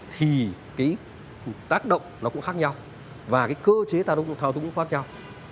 thì cái tác động nó cũng khác nhau và cái cơ chế thao túng nó cũng khác nhau